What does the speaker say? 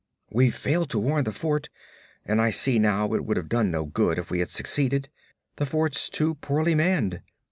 'We've failed to warn the fort, and I see now it would have done no good if we had succeeded. The fort's too poorly manned.